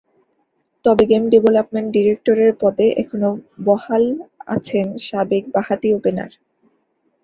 তবে game development ডিরেক্টরের পদে এখনো বহাল আছেন সাবেক বাঁহাতি ওপেনার।